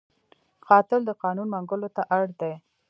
قاتل د قانون منګولو ته اړ دی